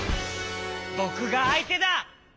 ぼくがあいてだ！